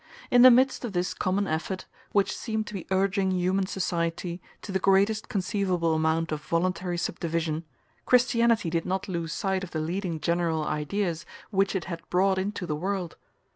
In the midst of this common effort, which seemed to be urging human society to the greatest conceivable amount of voluntary subdivision, Christianity did not lose sight of the leading general ideas which it had brought into the world.